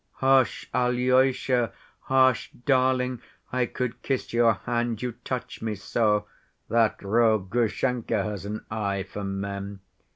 "Hush, Alyosha, hush, darling! I could kiss your hand, you touch me so. That rogue Grushenka has an eye for men.